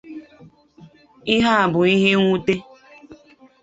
Ihe a bụ ihe nwute